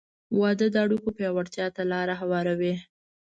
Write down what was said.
• واده د اړیکو پیاوړتیا ته لار هواروي.